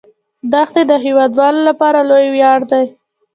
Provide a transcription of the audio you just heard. دښتې د هیوادوالو لپاره لوی ویاړ دی.